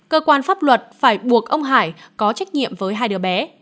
cơ quan pháp luật phải buộc ông hải có trách nhiệm với hai đứa bé